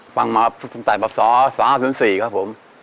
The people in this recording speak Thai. ฟังมาตั้งแต่แบบสองสองห้าสองสิ้นสี่ครับผม